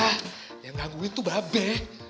hah yang ngangguin tuh mba be